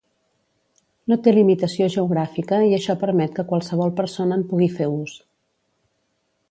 No té limitació geogràfica i això permet que qualsevol persona en pugui fer ús.